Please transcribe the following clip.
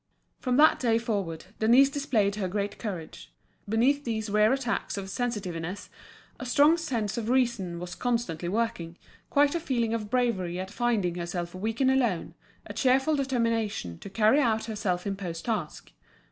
From that day forward, Denise displayed her great courage. Beneath these rare attacks of sensitiveness, a strong sense of reason was constantly working, quite a feeling of bravery at finding herself weak and alone, a cheerful determination to carry out her self imposed task.